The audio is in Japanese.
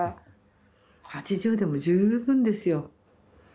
８０でも十分ですよ。